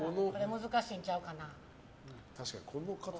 難しいんちゃうかな。